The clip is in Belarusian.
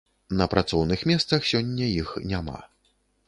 На працоўных месцах сёння іх няма.